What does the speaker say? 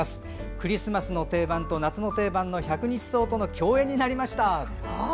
クリスマスの定番と夏の定番のヒャクニチソウとの共演になりました。